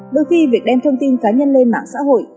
đôi khi việc đem thông tin cá nhân lên mạng xã hội